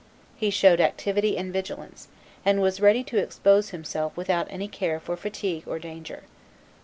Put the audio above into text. He showed activity and vigilance, and was ready to expose himself without any care for fatigue or danger.